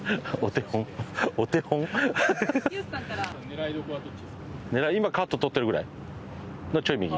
狙い今カート通ってるぐらいのちょい右。